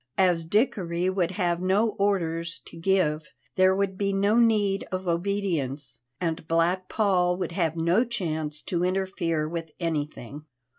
As Dickory would have no orders to give, there would be no need of obedience, and Black Paul would have no chance to interfere with anything.